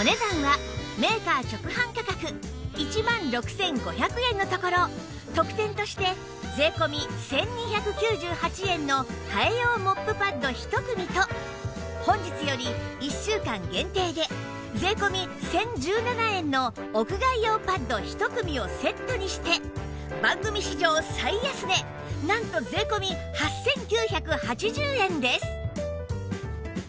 お値段はメーカー直販価格１万６５００円のところ特典として税込１２９８円の替え用モップパッド１組と本日より１週間限定で税込１０１７円の屋外用パッド１組をセットにして番組史上最安値なんと税込８９８０円です